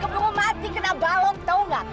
kemudian mati kena balok tahu nggak